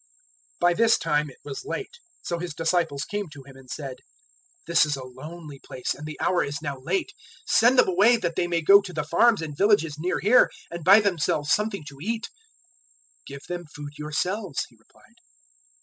006:035 By this time it was late; so His disciples came to Him, and said, "This is a lonely place, and the hour is now late: 006:036 send them away that they may go to the farms and villages near here and buy themselves something to eat." 006:037 "Give them food yourselves," He replied.